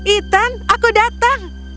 ethan aku datang